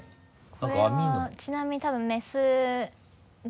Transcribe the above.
これはちなみに多分メスで。